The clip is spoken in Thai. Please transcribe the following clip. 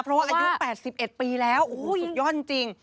เพราะว่าอายุ๘๑ปีแล้วโอ้โหสุดยอดจริง